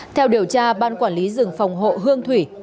theo điều tra ban quản lý rừng phòng hộ hương thủy